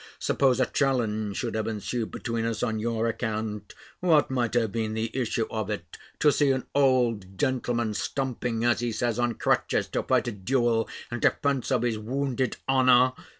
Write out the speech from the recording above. Suppose a challenge should have ensued between us on your account what might have been the issue of it? To see an old gentleman, stumping, as he says, on crutches, to fight a duel in defence of his wounded honour!"